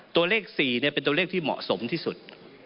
ตัวเลข๔เป็นตัวเลขที่เหมาะสมที่สุด